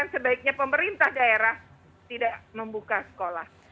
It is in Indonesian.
sebaiknya pemerintah daerah tidak membuka sekolah